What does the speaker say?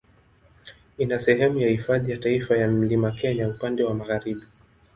Ina sehemu ya Hifadhi ya Taifa ya Mlima Kenya upande wa magharibi.